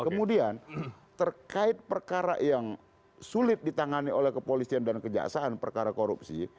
kemudian terkait perkara yang sulit ditangani oleh kepolisian dan kejaksaan perkara korupsi